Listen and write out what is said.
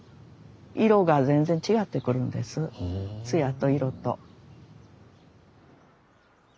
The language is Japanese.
色が全然違ってくるんです艶と色と。